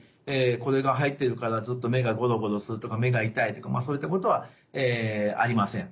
これが入ってるからずっと目がゴロゴロするとか目が痛いとかそういったことはありません。